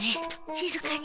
しずかに。